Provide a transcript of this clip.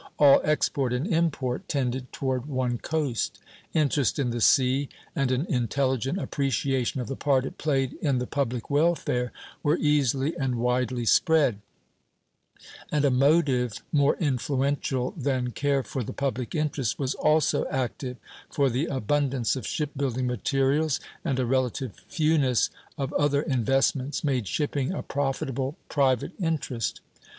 All export and import tended toward one coast. Interest in the sea and an intelligent appreciation of the part it played in the public welfare were easily and widely spread; and a motive more influential than care for the public interest was also active, for the abundance of ship building materials and a relative fewness of other investments made shipping a profitable private interest.